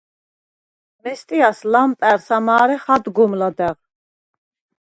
მესტიას ლამპა̈რს ამა̄რეხ ადგომ ლადა̈ღ.